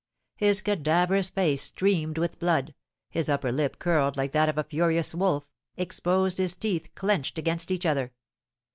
His cadaverous face streamed with blood, his upper lip curled like that of a furious wolf, exposed his teeth clenched against each other.